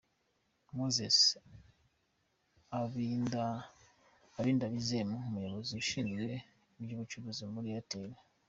Moses Abindabizemu, umuyobozi ushinzwe iby'ubucuruzi muri Airtel.